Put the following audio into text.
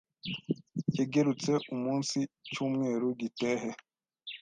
Yegerutse umunsi cyumweru gitehe